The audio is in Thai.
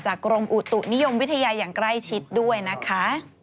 กรมอุตุนิยมวิทยาอย่างใกล้ชิดด้วยนะคะ